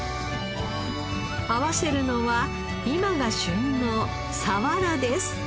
合わせるのは今が旬のサワラです。